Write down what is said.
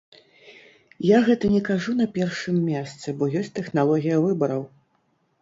Я гэта не кажу на першым месцы, бо ёсць тэхналогія выбараў.